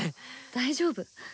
大丈夫？